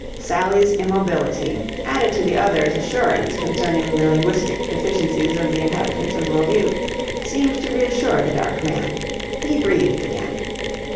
Sally's immobility, added to the other's assurance concerning the linguistic deficiencies of the inhabitants of Roville, seemed to reassure the dark man. He breathed again.